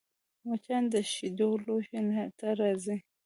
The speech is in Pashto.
مچان د شیدو لوښي ته راځي